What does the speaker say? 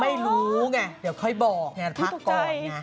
ไม่รู้ไงเดี๋ยวค่อยบอกไงพักก่อนไง